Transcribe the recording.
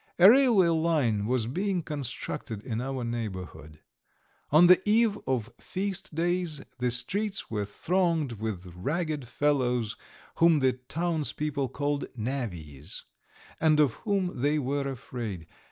III A railway line was being constructed in our neighbourhood. On the eve of feast days the streets were thronged with ragged fellows whom the townspeople called "navvies," and of whom they were afraid.